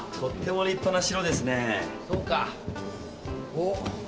おっ！